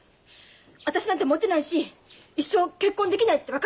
私なんてもてないし一生結婚できないって分かったから。